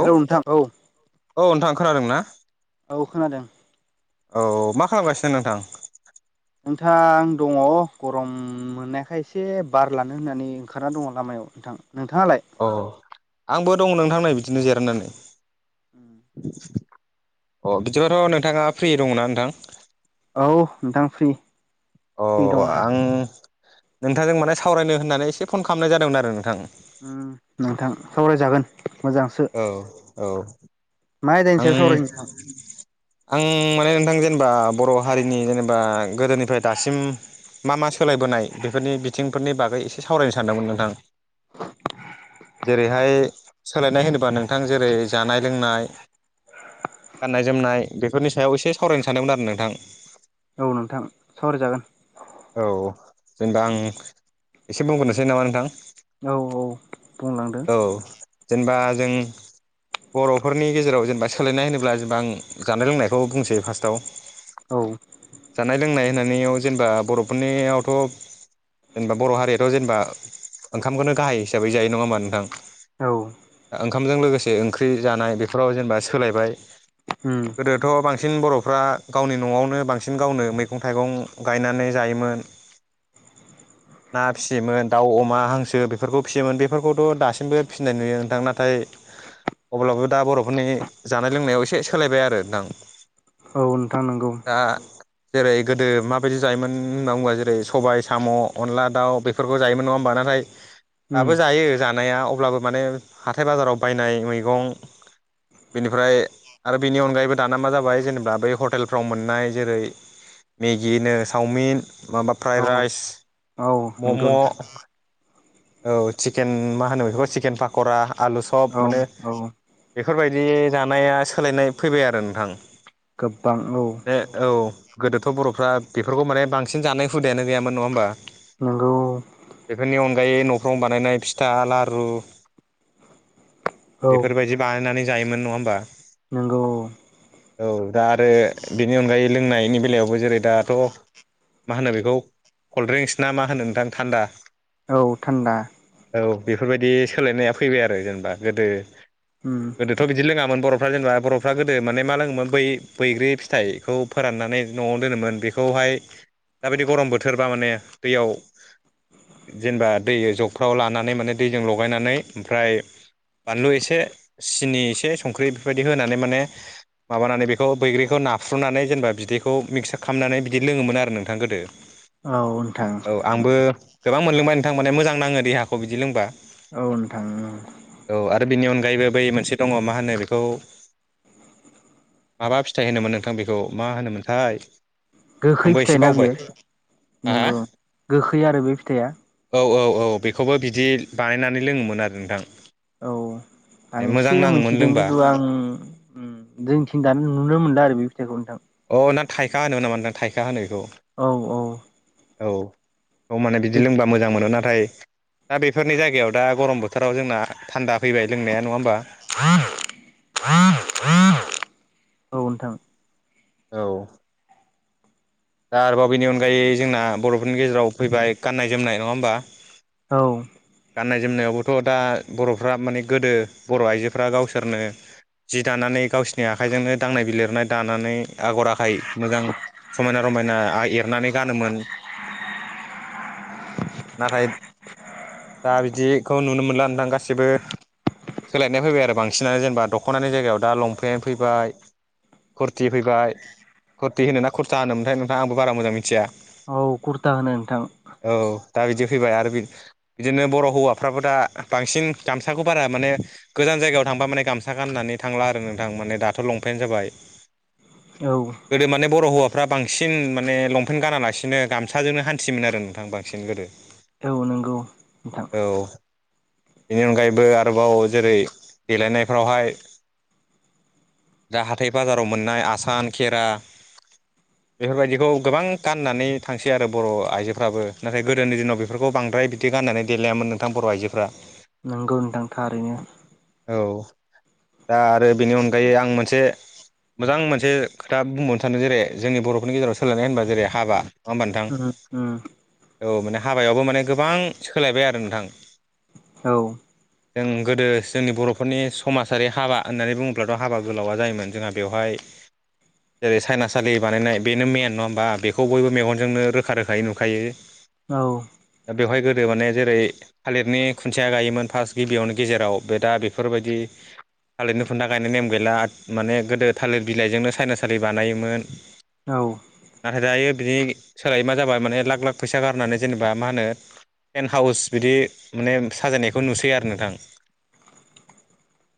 औ हेलौ नोंथां औ औ नोंथां खोनादों ना? औ खोनादों। औ मा खालामगासिनो नोंथां? नोंथां आं दङ गरम मोननायाखाय एसे बार लानो होननानै ओंखारना दङ लामा याव नोंथां। नोंथाङालाय अ आंबो दङ नोंथांनाय बिदिनो जिरायनानै। अ बिदिबाथ' नोंथाङा फ्रि दङना नोंथां? औ नोंथां फ्रि अ फ्रि दङ दा आं नोंथांजों माने सावरायनो होननानै एसे फन खालामनाय जादोंमोन आरो नोंथां। नोंथां सावरायजागोन। मोजांसो औ औ मा आयदानि आं सायाव सावरायनो नोंथां आं माने नोंथां जेनेबा बर' हारिनि जेनेबा गोदोनिफ्राय दासिम। मा-मा सोलायबोनाय बेफोरनि बिथिंफोरनि बागै एसे सावरायनो सानदोंमोन नोंथां। जेरैहाय सोलायनाय होनोबा नोंथां जेरै जानाय-लोंनाय। गाननाय-जोमनाय बेफोरनि सायाव एसे सावरायनो सानदोंमोन आरो नोंथां? औ नोंथां सावरायजागोन औ जेनेबा आं। एसे बुंग्रोनोसै नामा नोंथां? औ बुंलांदो औ जेनेबा। जों बर'फोरनि गेजेराव। जेनेबा सोलायनाय होनोब्ला जेनबा आं जानाय-लोंनायखौ बुंसै फार्स्टआव। औ जानाय-लोंनाय होननानै जेनेबा बर'फोरनियावथ'। जेनेबा बर' हारियाथ' जेनेबा ओंखामखौनो गाहाय हिसाबै जायो नङा होमबा नोंथां? औ ओंखामजों लोगोसे ओंख्रि जानाय बेफोराव जेनेबा सोलायबाय। उम गोदोथ' बांसिन। बांसिन बर'फ्रा गावनि न'आवनो बांसिन गावनो मैगं-थाइगं गायनानै जायोमोन। [inaudible] ना फिसियोमोन दाउ, अमा, हांसो बेफोरखौ फिसियोमोन बेफोरखौथ' दासिमबो फिसिनाय नुयो नोंथां नाथाय। अब्लाबो दा बर'फोरनि जानाय-लोंनायाव एसे सोलायबाय आरो नोंथां। नंगौ नोंथां नंगौ। दा जेरै-गोदो माबायदि जायोमोन होनना बुङोबा जेरै-सबाय, साम', अनला, दाउ बे। बेफोरखौ जायोमोन नङा होमबा? नाथाय। उम दाबो जायो जानाया अब्लाबो माने हाथाइ-बाजाराव बायनाय मैगं। बेनिफ्राय आरो बेनि अनगायैबो दाना मा जाबाय जेनेबा बै हटेलफ्राव मोननाय जेरै- मेगिनो, सावमिन माबा औ फ्राइड राइस, औ नंगौ मम'। नोंथां औ चिकेन मा होनो बेखौ? चिकेन पाकरा आलु सब औ मोनो। औ बेफोरबायदि जानाया सोलायनाय फैबाय आरो नोंथां। गोबां औ। बे औ गोदोथ' बर'फ्रा बेफोरखौ माने बांसिन जानाय हुदायानो गैयामोन नङा होमबा? नंगौ बेफोरनि अनगायै न'फ्राव बानायनाय फिथा, लारु। औ बेफोरबायदि बानायनानै जायोमोन नङा होमबा? नंगौ औ दा आरो बेनि अनगायै लोंनायनि बेलायावबो जेरै दाथ'। मा होनो बेखौ कलद्रिंस ना मा होनो नोंथां थान्दा? औ थान्दा औ बेफोरबायदि सोलायनाया फैबाय आरो जेनेबा उम गोदो। गोदोथ' बिदि लोङामोन बर'फ्रा जेनेबा बर'फ्रा गोदो माने मा लोङोमोन बै बैग्रि फिथाइखौ फोराननानै। न'आव दोनोमोन बेखौहाय दाबायदि गरम बोथोरबा माने दैयाव। जेनेबा दै जगफ्राव लानानै माने दैजों लगायनानै ओमफ्राय। बानलु एसे। सिनि एसे संख्रि बेफोरबायदि होनानै माने माबानानै बेखौ बैग्रिखौ नाफ्रुनानै जेनेबा बिदै। बेखौ मिक्सार खालामनानै बिदि लोङोमोन आरो नोंथां गोदो औ नोंथां औ आंबो। गोबां मोनलोंबाय नोंथां माने मोजां नाङो देहाखौ बिदि लोंबा। औ नोंथां औ आरो बेनि अनगायैबो बै मोनसे दङ' मा होनो बेखौ? माबा फिथाइ होनोमोन नोंथां बेखौ मा होनोमोनथाय? गोखै आंबो एसे फिथाइ ना बावबाय। बियो हा नंगौ गोखै आरो बे फिथाइया औ-औ-औ बेखौबो बि। दि बानायनानै लोङोमोन आरो नोंथां। औ आं मोजां एसे नाङोमोन मिथिदों लोंबा खिन्तु आं जोंथिं दानो नुनो मोनदों आरो बे फिथाइखौ नोंथां। अ! ना थाइखा होनोमोन‌ नामा नोंथां? थाइखा होनो बेखौ औ औ औ। औ माने बिदि बे लोंबा मोजां मोनो ना। नाथाय दा बेफोरनि जायगायाव दा गरम बोथोराव जोंना थान्दा फैबाय लोंनाया नङा होमबा? [unintelligible] औ नोंथां। औ। दा आरोबाव बेनि अनगायै जोंना बर'फोरनि गेजेराव फैबाय गाननाय- जोमनाय नङा होमबा? औ। गाननाय जोमनायावबोथ' दा बर'फ्रा माने गोदो बर' आइजोफ्रा गावसोरनो जि दानानै गावसिनि आखाइजोंनो दांनाय बिलिरनाय दानानै आगर आखाइ मोजां समायना रमायना आ एरनानै गानोमोन। [inaudible] नाथाय दा बिदिखौ नुनो मोनला नोंथां गासिबो सोलायनाय फैबाय आरो बांसिनानो जेनेबा दख'नानि जायगायाव दा लंपेन्ट फैबाय। कुरथि फैबाय कुरथि होनोना खुरथा होनोमोनथाय नोंथाङा आंबो बारा मोजां मिथिया। औ कुरता होनो नोंथां। औ दा बिदि फैबाय आरो बि बिदिनो बर' हौवाफ्राबो दा बांसिन गामसाखौ बारा माने गोजान जायगायाव थांबा माने गामसा गाननानै नै थांला आरो नोंथां माने दाथ' लपेन्ट जाबाय औ गोदो माने बर' हौवा फ्रा बांसिन माने लंपेन्ट गानालासिनो गामसाजोंनो हान्थियोमोन आरो नोंथां बांसिन गोदो। औ नंगौ नोंथां। औ बेनि अनगायैबो आरोबाव जेरै देलायनायफ्रावहाय दा हाथाइ बाजाराव मोननाय आसान, खेरा बेफोर बायदिखौ गोबां गाननानै थांसै आरो बर' आइजोफ्राबो नाथाय गोदोनि दिनाव बेफोरखौ बांद्राय दि गानानै देलायामोन नोंथां बर' आइजोफ्रा। नोंगौ नोंथां थारैनो। औ दा आरो बेनि अनगायै आं मोनसे मोजां मोनसे खोथा बुंबावनो सानो जेरै जोंनि बर'फोरनि गेजेराव सोलायनाय होनबा जेरै हाबा होमबा नोंथां उम उम। औ माने हाबायावबो माने गोबां सोलायबाय आरो नोंथां। औ। जों गोदो जोंनि बर'फोरनि समाजारि हाबा होननानै बुङोब्लाथ' हाबा गोलावा जायोमोन जोंहा बेवहाय [inaudible] जेरै सायनासालि बानायनाय बेनो मेन नङा होमबा बेखौ बयबो मेगनजोंनो रोखा रोखायै नुखायो। औ। बे माने जेरै थालिरनि खुन्थिया गायोमोन फार्स्ट गिबियावनो गेजेराव बे दा बेफोर बायदि थालिरनि खुन्था गायनाय नेम गैला माने गोदो थालिर बिलाइजोंनो सायना सालि बानायोमोन। औ नाथाय दायो बिनि सोलायै मा जाबाय माने लाख लाख फैसा गारनानै जेनेबा मा होनो टेन हाउस बिदि माने साजायनायखौ नुसै आरो नोंथां।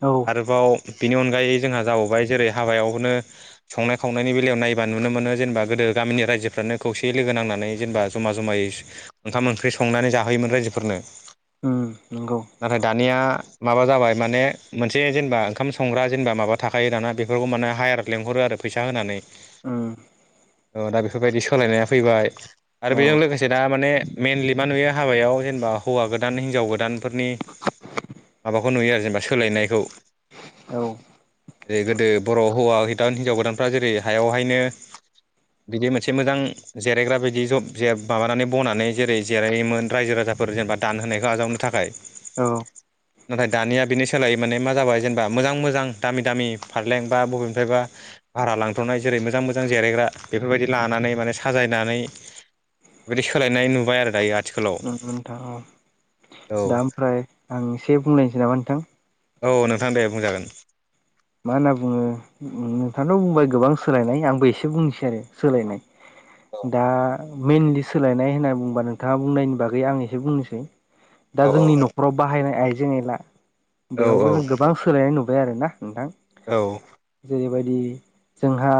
औ आरोबाव बेनि अनगायै जोंहा जाबावबाय जेरै हाबायावनो संनाय खावनायनि बेलायाव नायबा नुनो मोनो जेनेबा गोदो दो गामिनि रायजोफ्रानो खौसेै लोगो नां जेनेबा जमा जमायै ओंखाम ओंख्रि सं संनानै जाहोयोमोन रायजोफोरनो। उम नंगौ। नाथाय दानिया माबा जाबाय माने मोनसे जेनेबा ओंखाम संग्रा जेनेबा माबा थाखायो दाना बेफोरखौ माने हायार लेंहरो आरो फैसा होनानै उम ओ दा बेफोर बायदि सोलायनाया फैबाय आरो औ बेजों लोगोसे दा माने मेइनलि मा नुयो हाबायाव जेनेबा हौवा गोदान हिनजाव गोदानफोरनि माबाखौ नुयो आरो जेनेबा सोलायनायखौ। औ। जै गोदो बर' हौवा गोदान हिनजाव गोदानफ्रा जेरै हायावहायनो बिदि मोनसे मोजां जिरायग्रा बिदि जब माबानानै बनानै जेरै जिरायोमोन रायजो राजाफोर जेनेबा दान होनायखौ आजावनो थाखाय नाथाय दानिया बेनि सोलाय माने मा जाबाय जेनेबा मोजां मोजां दामि दामि फारलें बा बबेनिफ्रायबा भारा लांथ'नाय जेरै रै मोजां मोजां जिरायग्रा बेफोरबायदि लानानै माने साजायनानै बेदि सोलायनाय नुबाय आरो दायो आथिखालाव ओ नोंथां औ औ दा ओमफ्राय आं एसे बुंलायनोसै नामा नोंथां औ नोंथां दे बुंजागोन मा होनना बुङो नोंथांथ' बुंबाय गोबां सोलायनाय आंबो एसे बुंनोसै आरो सोलायनाय औ दा मइेनलि सोलायनाय होनना बुंबा नोंथाङा बुंनायनि बागै आं एसे बुंनोसै दा औ जोंनि न'खराव बाहायनाय आइजें आयला औ बेयावबो जों गोबां सोलायनाय नुबाय आरो ना औ जेबायदि जोंहा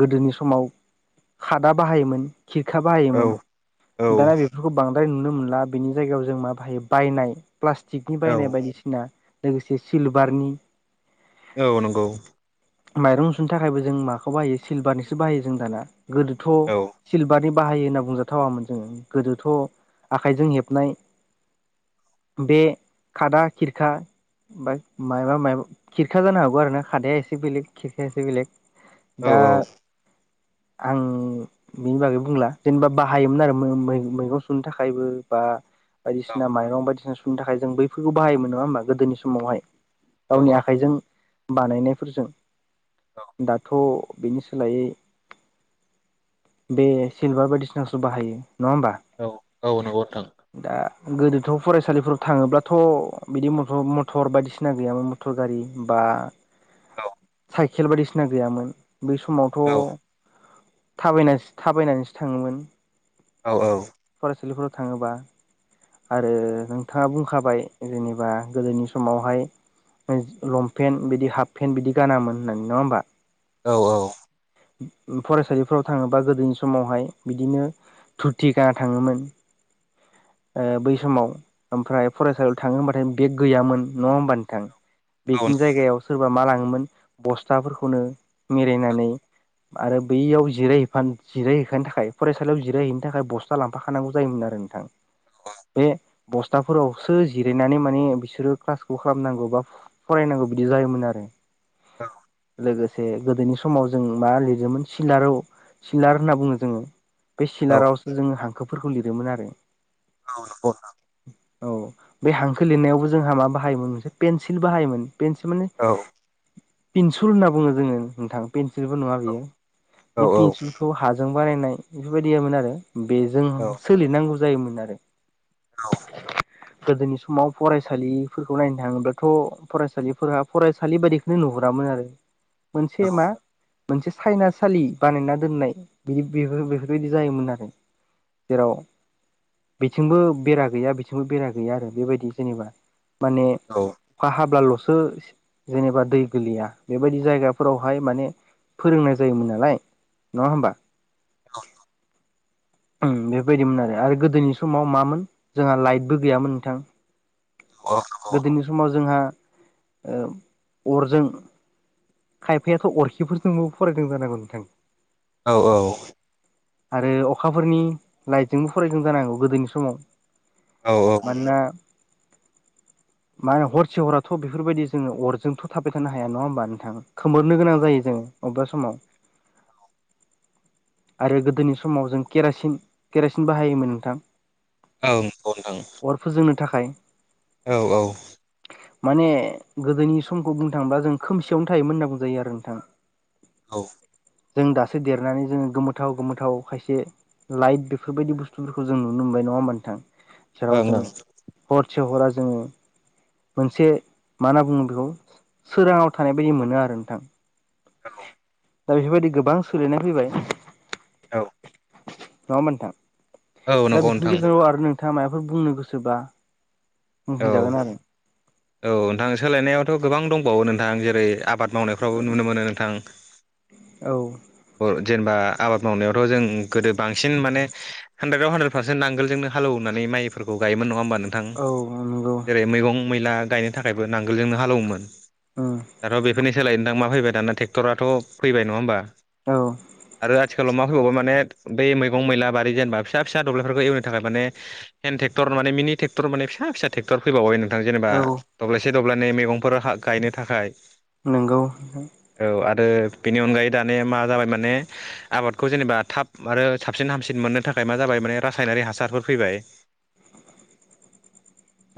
गोदोनि समाव खादा बाहायोमोन खिरखा बाहायोमोन दाना बेफोरखौ बां द्राय नुनो मोनला बेनि जायगायाव जों मा बाहायो बायनाय प्लास्टिकनि औ बायनाय बायदिसिना लोगोसे सिलभारनि औ नंगौ माइरं मुसुनो थाखायबो जों माखौ बाहायो सिल्भारनिसो बाहायो जों दाना गोदोथ' औ सिलभारनि बाहायो होनना बुंजाथावामोन जोङो गोदोथ' आखाइजों हेबनाय बा बे खादा खिरखा बा मायबा माया खिरखा जानो हागौ आरो ना खादाया एसे बेलेग खिरखाया एसे बेलेग औ दा आं बिनि बागै बुंला जेनेबा बाहायोमोन आरो मो मैगं सुनो थाखायबो बा बायदिसिना माइरं बायदिसिना सुनो थाखाय जों बैफोरखौ बाहायोमोन नङा होमबा गोदोनि समावहाय औ गावनि आख जों बानायनायफोरजों दाथ' बेनि सोलायै बे सिलभार बायदिसिनासो बाहायो नङा होमबा औ औ नंगौ नोंथां दा गोदोथ' फरायसालिफोराव थाङोब्लाथ' बिदिथ मथर मथर बायदिसिना गैयामोन मथर गारि बा औ साइकेल बायदिसिना गैयामोन बै औ समावथ' थाबायनासो थाबायनानैसो थाङोमोन। औ औ सालिफोराव थाङोबा आरो नोंथाङा बुंखाबाय जेनेबा गोदोनि समावहाय लंपेन्ट बिदि हाफ पेन्ट बिदि गानामोन होननानै नङा होमबा औ औ फरायसालिफोराव थाङोबा गोदोनि समावहाय बिदिनो दुथि गाना थाङोमोन ओ बै समाव ओमफ्राय फरायसालियाव थाङो हमबाथाय बेग गैयामोन नङा होमब नोंथां औ औ नंगौ नोंथां औ बेकनि जायगायाव सोरबा मा लाङोमोन बस्थाफोरखौनो मेरायनानै आरो बैयाव जिरायहैफा जिरायहैफानो थाखाय फरायसालियाव जिरायहैनो थाखाय बस्था लांफाखानांगौ जायोमोन आरो ओ नोंथां बे बस्थाफोरावसो जिरायनानै माने बिसोरो क्लासखौ खालामनांगौ बा फरायनांगौ बिदि जायोमोन आरो औ लोगोसे गोदोनि समाव जों मा लिरोमोन सिलाराव सिलार होनना बुङो जोङो बे ओं ओं औ सिलारावसो जोङो हांखोफोरखौ लिरोमोन आरो औ नोंगौ नोंथां औ बे हांखो लिरनायावबो जोंहा मा बाहायोमोन मोनसे पेन्सिलबो बाहायोमोन पेनसि माने पिन्सुल होनना बुङो जोङो नोंथां पेन्सिलबो नङा बियो बे पेन्सिलखौ हाजों बानायनाय बेफोरबायदियोन आरो बेजों सोलिनांगौ जायोमोन आरो औ गोदोनि समाव फरायसालि फोरखौहाय नायनो थाङोब्लाथ' फरायसालिफोरा फरायसालि बायदिखौनो नुहोरामोन आरो मोनसे मा मोनसे सायनासालि बानायना दोननाय बिदि बे-बेफोरबायदि जायोमोन आरो जेराव बिथिंबो बेरा गैया बेथिंबो बेरा गैया आरो बेबायदि जेनेबा माने अखा हाब्लाल'सो जेनेबा दै गोलैया बेबायदि जायगाफोरावहाय माने फोरोंनाय जायोमोन नालाय, नङा होमबा? औ नंगौ ओम बेबायदिमोन आरो आरो गोदोनि समाव मामोन जोंहा लाइटबो गैयामोन नोंथां गोदोनि समाव जोंहा ओ अरजों खायफायाथ' अरखिफोरजोंबो फरायदों जानांगौ नोंथां। औ औ आरो अखाफोरनि लाइटजोंबो फरायदों जानांगौ गोदोनि समाव। मानोना मा होनो हर से हराथ' बेफोरबायदि जोङो अरजोंथ' थाबाय थानो हाया। नङा होमबा नोंथां? खोमोरनो गोनां जायो जोङो अबेबा समाव [inaudible] औ आरो गोदोनि समाव जों केरासिन-केरासिन बाहायोमोन नोंथां ओं नंगौ नोथां। अर फोजोंनो थाखाय औ औ माने गोदोनि समखौ बुंनो थांब्ला जों खोमसियावनो थायोमोन होनना बुंजायो आरो नोंथां। औ जों दासो देरनानै जोङो गोमोथाव-गोमोथाव खायसे लाइट बेफोरबायदि बुस्थुफोरखौ जों नुनो मोनबाय। नङा होमबा नोंथां? जेराव जों हरसे हरा जों मोनसे मा होनना बुङो बेखौ सोराङाव थानाय बायदि मोनो आरो नोंथां। दा बेफोरबायदि गोबां सोलायनाय फैबाय। औ नङा होमबा नोंथां? दा नंगौ बिसिनि नोंथां गेजेराव आरो नों थाङा माबाफोर बुंनो गोसोबा औ बुंफिन जागोन आरो औ नोंथां सोलायनायावथ' गोबां दंबावो नोंथां जेरै-आबाद मावनायफ्रावबो नुनो मोनो नोंथां औ ओ जेनेबा आबाद मावनायावथ' जों गोदो बांसिन माने हानद्रेदाव हानद्रेद पारसेन्ट नांगोलजोंनो हालेवनानै माइफोरखौ गायोमोन। नङा होमबा नोंथां? औ नंगौ जेरै- मैगं-मैला गायनो थाखायबो नांगोलजोंनो हालौवोमोन। उम दाथ' बेफोरनि सोलायै नोंथां मा फैबाय दाना टेक्ट'राथ' फैबाय, नङा होमबा? औ आरो आथिखालाव मा फैबावबाय माने बै मैगं-मैला बारि जेनेबा फिसा-फिसा दब्लायफोरखौ एवनो थाखाय माने हन्द टेक्टर माने मि नि टेक्टर माने फिस-फिसा टेकटर फैबावबाय नों थां जेनेबा औ दब्लायसे-दब्लायनै मैगंफोर गायनो थाखाय नोंंगौ नोंथां। ओ बेनि अनगायै दानिया मा जाबाय माने आबादखौ जेनेबा थाब आरो साबसिन हामसिन मोननो था खाय मा जाबाय माने रासायनारि हासारफोर फैबाय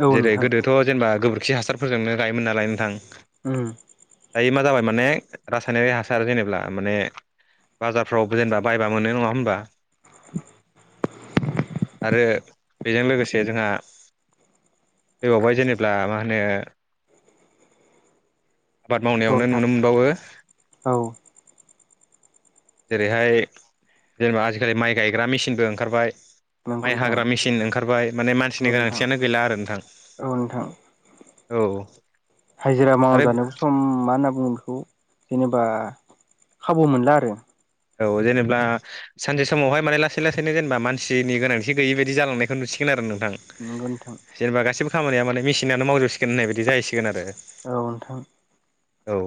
औ नोंथां जेरै-गोदोथ' जेनेबा गोबोर खि हासारफोरजोंनो गायोमोन नालाय नोंथां। उम दायो मा जाबाय माने रासायनारि हासार जेनेब्ला माने बाजारफ्राव जेनेबा बायबा मोनो। नङा होनबा? आरो बेजों लोगोसे जोंहा फैबावबाय जेनेब्ला मा हो नो आबाद औ मावनायावनो नोंथां नुनो मोनबावो औ जेरैहाय जेनेबा आजिखालि माइ गायग्रा मेचिनबो ओंखारबाय नंगौ माइ नोंथां हाग्रा मेसिन ओंखारबाय माने औ मानसिनि नोंथां गोनांथियानो गैला आरो नोंथां। औ नोंथां औ हाजिरा मावना आरो जानो सम मा होनना बुङो बेखौ जेनेबा खाबु मोनला आरो औ जेनेबा सानसे समावहाय माने लासै लासैनो जेनेबा मानसिनि गोनांथि गैयि बायदि जालांनायखौ नुसिगोन आरो नों थां नंगौ नोंथां जेनेबा गासिबो खामानिया माने मेसिनावानो मावजोबसिगोन होननाय बायदि जाहैसिगोन आरो औ नोंथां। औ